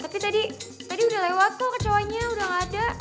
tapi tadi udah lewat kok kecoanya udah gak ada